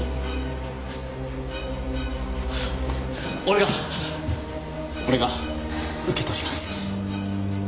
俺が俺が受け取ります。